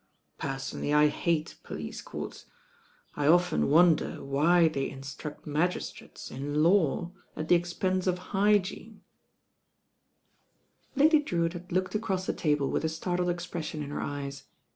Per sonally I hate police courts. I often wonder why they instruct magistrates in law at the expense of hygiene." THE ROAD TO NOWHERE 17 ♦ Lady Drewitt had looked across the table with a startled expression in her eyes.